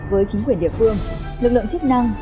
với chính quyền địa phương lực lượng chức năng